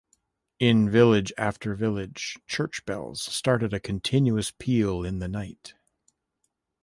In village after village, church bells started a continuous peal in the night.